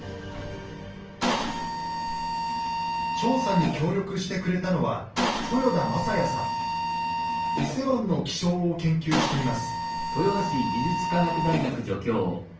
調査に協力してくれたのは伊勢湾の気象を研究しています。